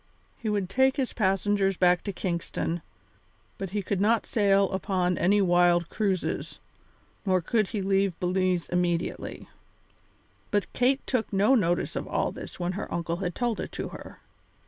He would take his passengers back to Kingston, but he could not sail upon any wild cruises, nor could he leave Belize immediately. But Kate took no notice of all this when her uncle had told it to her.